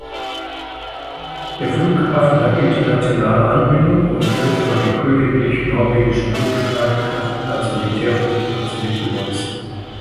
Der Flughafen hat internationale Anbindung und wird von den Königlich-Norwegischen Luftstreitkräften als Militärflugplatz mitgenutzt.